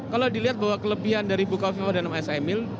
kalau dilihat bahwa kelebihan dari bukaw viva dan msmil